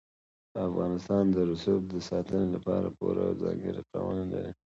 افغانستان د رسوب د ساتنې لپاره پوره او ځانګړي قوانین لري.